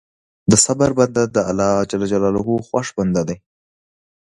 د صبر بنده د الله خوښ بنده دی.